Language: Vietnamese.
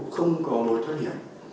không có nỗi thoát hiểm